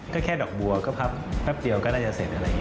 ก็แค่ดอกบวก็พับแป๊บเดียวก็ได้จะเสร็จ